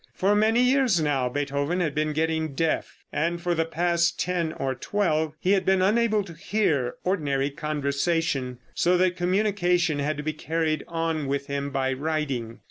For many years now Beethoven had been getting deaf, and for the past ten or twelve he had been unable to hear ordinary conversation, so that communication had to be carried on with him by writing.